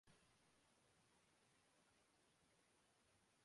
چونکہ یہ جگہیں خاص طور پر پودے